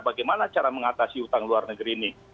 bagaimana cara mengatasi utang luar negeri ini